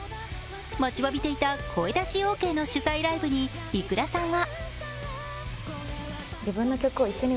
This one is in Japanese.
待ちわびていた声出しオーケーの主催ライブに ｉｋｕｒａ さんは